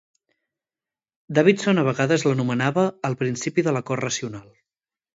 Davidson a vegades l'anomenava "el principi de l'acord racional".